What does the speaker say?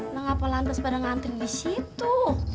mengapa lantas pada ngantri di situ